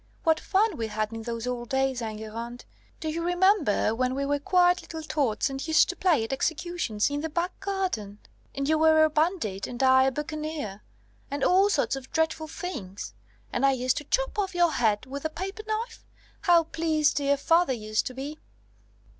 What fun we had in those old days, Enguerrand! Do you remember when we were quite little tots, and used to play at executions in the back garden, and you were a bandit and a buccaneer, and all sorts of dreadful things, and I used to chop off your head with a paper knife? How pleased dear father used to be!"